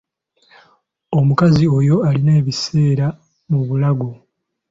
Omukazi oyo alina ebiseera mu bulago.